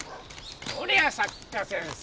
こりゃ作家先生